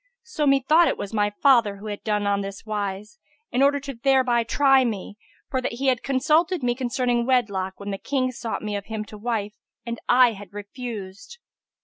So methought it was my father who had done on this wise in order thereby to try me, for that he had consulted me concerning wedlock, when the Kings sought me of him to wife, and I had refused.